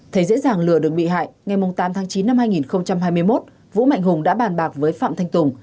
thấy dễ dàng lừa được bị hại ngày tám tháng chín năm hai nghìn hai mươi một vũ mạnh hùng đã bàn bạc với phạm thanh tùng